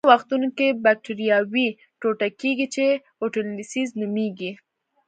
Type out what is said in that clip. په ځینو وختونو کې بکټریاوې ټوټه کیږي چې اټولیزس نومېږي.